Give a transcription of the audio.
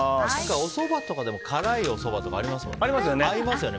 おそばとかでも辛いおそばとかありますもんね。